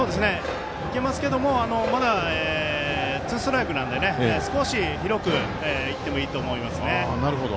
いけますけどもまだ、ツーストライクなので少し広くいってもいいと思います。